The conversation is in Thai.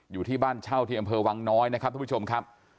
อยู่ที่บ้านเช่าที่อำเภอวังน้อยนะครับทุกผู้ชมครับ